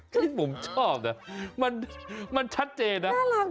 ที่ผมชอบนะมันชัดเจนนะ